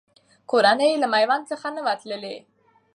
کورنۍ یې له میوند څخه نه وه تللې.